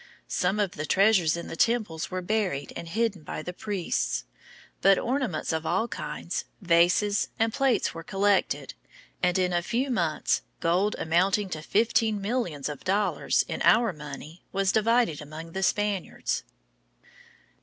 Some of the treasures in the temples were buried and hidden by the priests; but ornaments of all kinds, vases, and plate were collected, and in a few months gold amounting to fifteen millions of dollars in our money was divided among the Spaniards.